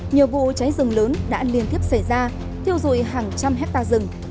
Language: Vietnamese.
nhiều vụ cháy rừng lớn đã liên tiếp xảy ra thiêu dụi hàng trăm hectare rừng